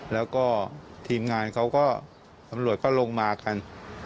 แล้วก็ทีมงานเขาก็ตำรวจก็ลงมากัน